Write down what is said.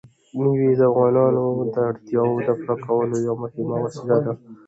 مېوې د افغانانو د اړتیاوو د پوره کولو یوه مهمه وسیله ده.